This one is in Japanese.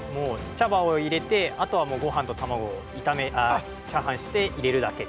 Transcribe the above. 茶葉を入れてあとはごはんと卵を炒めて入れるだけ。